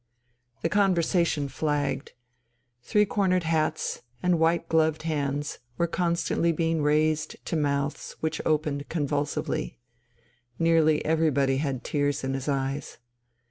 The conversation flagged. Three cornered hats and white gloved hands were constantly being raised to mouths which opened convulsively. Nearly everybody had tears in his eyes.